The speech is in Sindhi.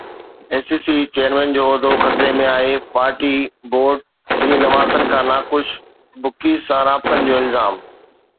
اي سي سي چيئرمين جو عهدو خطري ۾ آهي، ڀارتي بورڊ سري نواسن کان ناخوش، بکيز سان رابطن جو الزام